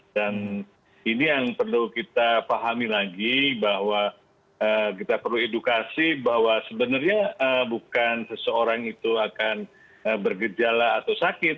ini yang perlu kita pahami lagi bahwa kita perlu edukasi bahwa sebenarnya bukan seseorang itu akan bergejala atau sakit